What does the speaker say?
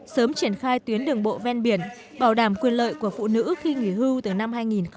sớm triển khai tuyến đường bộ ven biển bảo đảm quyền lợi của phụ nữ khi nghỉ hưu từ năm hai nghìn một mươi chín